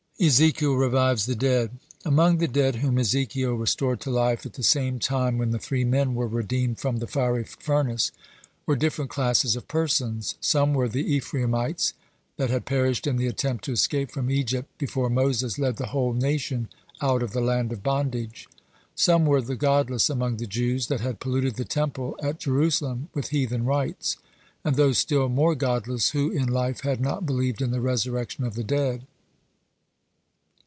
(93) EZEKIEL REVIVES THE DEAD Among the dead whom Ezekiel restored to life (94) at the same time when the three men were redeemed from the fiery furnace were different classes of persons. Some were the Ephraimites that had perished in the attempt to escape from Egypt before Moses led the whole nation out of the land of bondage. Some were the godless among the Jews that had polluted the Temple at Jerusalem with heathen rites, and those still more godless who in life had not believed in the resurrection of the dead.